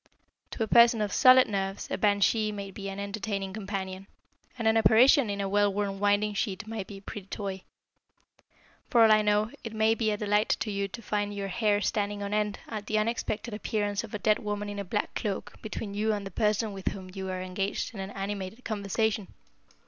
To a person of solid nerves a banshee may be an entertaining companion, and an apparition in a well worn winding sheet may be a pretty toy. For all I know, it may be a delight to you to find your hair standing on end at the unexpected appearance of a dead woman in a black cloak between you and the person with whom you are engaged in animated conversation.